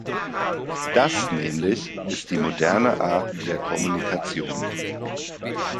Das nämlich ist die moderne Art der Kommunikation.